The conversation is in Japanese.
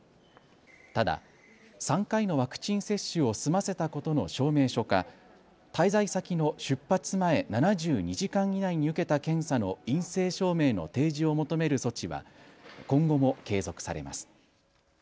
ただ、３回のワクチン接種を済ませたことの証明書か滞在先の出発前７２時間以内に受けた検査の陰性証明の提示を求める措置は今後も継続されます。